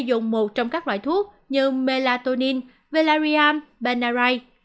dùng một trong các loại thuốc như melatonin velarium benarite